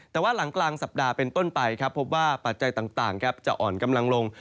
แต่ว่าหลังกลางสัปดาห์เป็นต้นไปครับพบว่าปัจจัยต่างจะอ่อนกำลังลง